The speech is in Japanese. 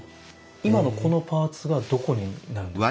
今のこのパーツはどこになるんですか？